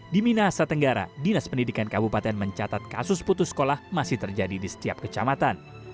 di minahasa tenggara dinas pendidikan kabupaten mencatat kasus putus sekolah masih terjadi di setiap kecamatan